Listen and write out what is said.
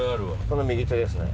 その右手ですね。